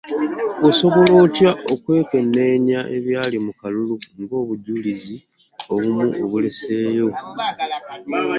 “Osobola otya okwekenneenya ebyali mu kalulu ng'obujulizi obumu obuleseeyo"?